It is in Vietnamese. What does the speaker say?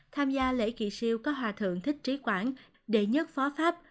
tham gia lễ kỳ siêu có hòa thượng thích trí quảng đệ nhất phó pháp